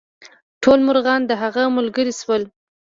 ټول مرغان د هغه ملګري شول.